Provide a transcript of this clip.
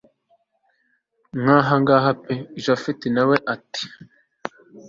nkahangaha pe japhet nawe ati